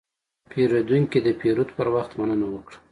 پیرودونکی د پیرود پر وخت مننه وکړه.